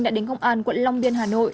đã đến công an quận long biên hà nội